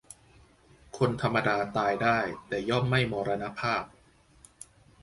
คนธรรมดาตายได้ แต่ย่อมไม่มรณภาพ